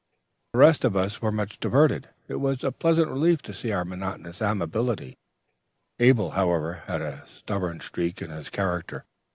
"The rest of us were much diverted: it was a pleasant relief to our monotonous amiability. "Abel, however, had a stubborn streak in his character.